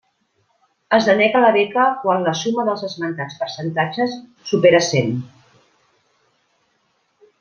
Es denega la beca quan la suma dels esmentats percentatges supere cent.